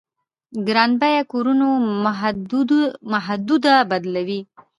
ګران بيه کورونو محدوده بدلوي.